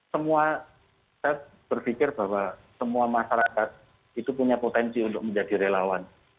semua saya berpikir bahwa semua masyarakat itu punya potensi untuk menjadi relawan